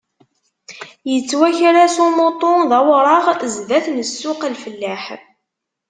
Yettwaker-as umuṭu d awraɣ zdat n ssuq-lfellaḥ.